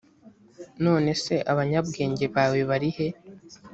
none se abanyabwenge bawe bari he ?